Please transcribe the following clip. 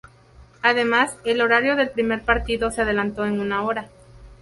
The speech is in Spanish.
Además, el horario del primer partido se adelantó en una hora.